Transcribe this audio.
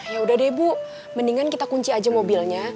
ya udah deh bu mendingan kita kunci aja mobilnya